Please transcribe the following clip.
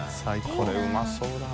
これうまそうだな。